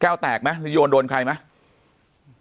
แก้วแตกมั้ยหรือโยนโดนใครมั้ย